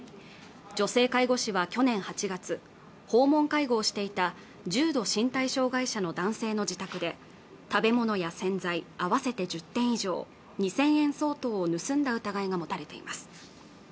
女性介護士は去年８月訪問介護をしていた重度身体障害者の男性の自宅で食べ物や洗剤合わせて１０点以上２０００円相当を盗んだ疑いが持たれています